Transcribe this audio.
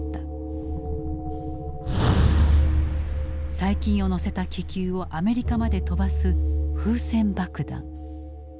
細菌を乗せた気球をアメリカまで飛ばす風船爆弾。